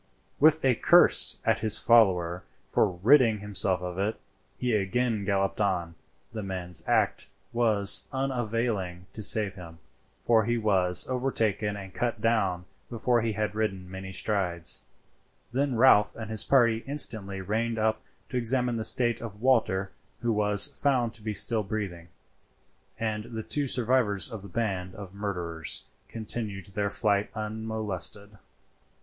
With a curse at his follower for ridding himself of it, he again galloped on. The man's act was unavailing to save himself, for he was overtaken and cut down before he had ridden many strides; then Ralph and his party instantly reined up to examine the state of Walter, who was found to be still breathing, and the two survivors of the band of murderers continued their flight unmolested.